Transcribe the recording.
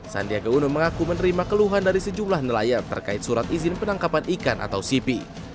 sandiaga uno mengaku menerima keluhan dari sejumlah nelayan terkait surat izin penangkapan ikan atau sipi